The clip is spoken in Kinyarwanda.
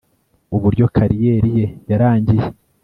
uburyo kariyeri ye yarangiye